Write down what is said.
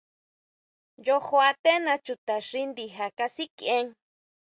Yojo antena chuta xi ndija kasikʼien.